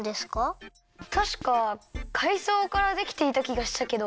たしかかいそうからできていたきがしたけど。